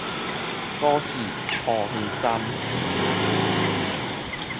高鐵桃園站